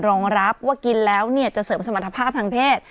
รองรับว่ากินแล้วเนี่ยจะเสริมสมรรถภาพทางเพศ